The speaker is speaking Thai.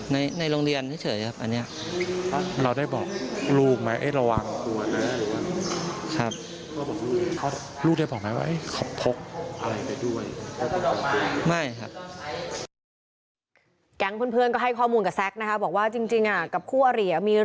นี่นี่นี่นี่